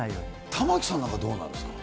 玉城さんなんかどうなんですか。